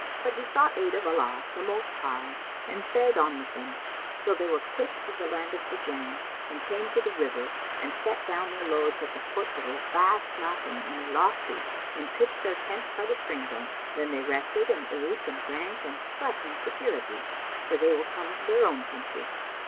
But he sought aid of Allah the Most High and fared on with them, till they were quit of the Land of the Jann and came to the river and set down their loads at the foot of a vast mountain and a lofty, and pitched their tents by the stream bank. Then they rested and ate and drank and slept in security, for they were come to their own country.